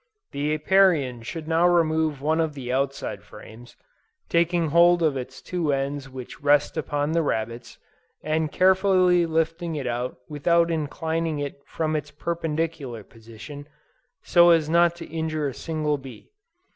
The Apiarian should now remove one of the outside frames, taking hold of its two ends which rest upon the rabbets, and carefully lifting it out without inclining it from its perpendicular position, so as not to injure a single bee.